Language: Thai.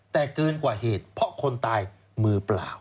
แต่เกินกว่าเหตุเพราะคนตายมือเปล่า